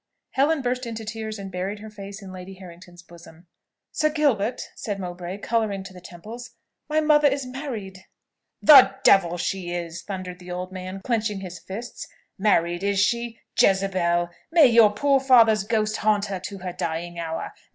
Helen burst into tears and buried her face in Lady Harrington's bosom. "Sir Gilbert," said Mowbray, colouring to the temples, "my mother is married!" "The devil she is!" thundered the old man, clenching his fists. "Married, is she? Jezebel! May your poor father's ghost haunt her to her dying hour!